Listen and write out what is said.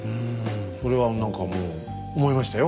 それは何かもう思いましたよ。